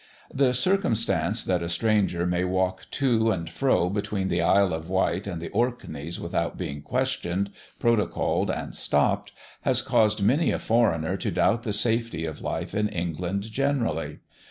The circumstance that a stranger may walk to and fro between the Isle of Wight and the Orkneys without being questioned, protocolled, and stopped, has caused many a foreigner to doubt the safety of life in England generally.